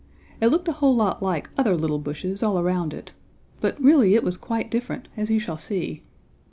It looked a whole lot like other little bushes all around it. But really it was quite different, as you shall see.